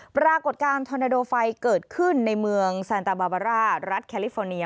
ปรากฏการณ์ทอนาโดไฟเกิดขึ้นในเมืองซานตาบาบาร่ารัฐแคลิฟอร์เนีย